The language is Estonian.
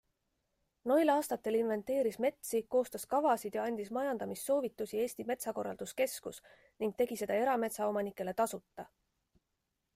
Noil aastatel inventeeris metsi, koostas kavasid ja andis majandamissoovitusi Eesti Metsakorralduskeskus ning tegi seda erametsaomanikele tasuta.